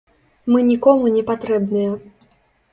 Мы нікому не патрэбныя.